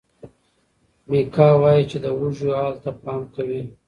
میکا وایي چې د وږیو حال ته پام کوي.